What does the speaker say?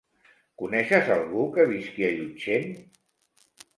Coneixes algú que visqui a Llutxent?